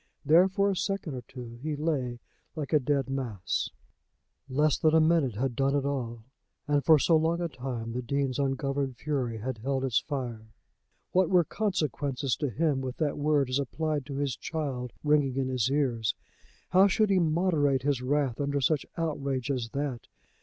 There for a second or two he lay like a dead mass. Less than a minute had done it all, and for so long a time the Dean's ungoverned fury had held its fire. What were consequences to him with that word as applied to his child ringing in his ears? How should he moderate his wrath under such outrage as that?